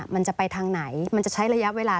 มันจะไปทางไหนมันจะใช้ระยะเวลา